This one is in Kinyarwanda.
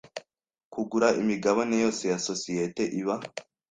kugura imigabane yose ya sosiyete iba